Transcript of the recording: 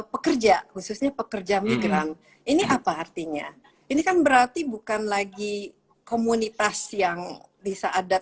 pekerja khususnya pekerja migran ini apa artinya ini kan berarti bukan lagi komunitas yang bisa ada